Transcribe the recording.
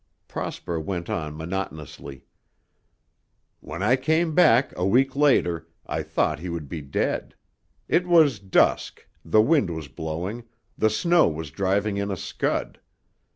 Prosper went on monotonously. "When I came back a week later, I thought he would be dead. It was dusk, the wind was blowing, the snow was driving in a scud.